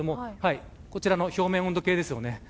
こちらの表面温度計です。